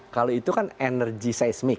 kalau itu kan energi seismik